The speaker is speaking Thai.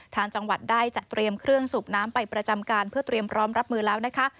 ทางจังหวัดได้จัดเตรียมเครื่องสูบน้ำไปประจำการเพื่อเตรียมพร้อมรับมือแล้วนะคะ